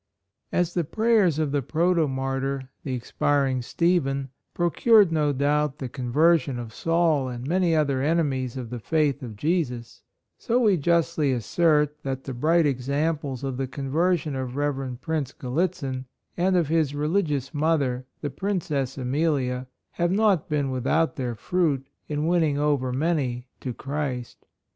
As the prayers of the proto mar tyr, the expiring Stephen, procured, no doubt, the conversion of Saul and many other enemies of the faith of Jesus, so we justly assert that the bright examples of the conversion of Rev. Prince Gallit zin, and of his religious mother, the Princess Amelia, have not been 13 142 HIS HAPPY DEATH without their fruit in winning over many to Christ.